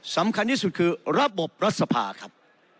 สำคัญที่สุดคือระบบรัฐสภาครับ